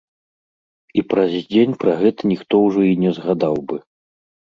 І праз дзень пра гэта ніхто ўжо і не згадаў бы.